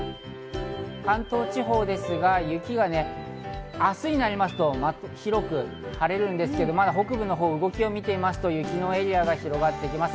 関東地方ですが明日になりますと広く晴れるんですが、北部のほうを見てみると、雪のエリアが広がってきます。